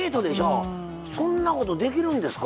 そんなことできるんですか？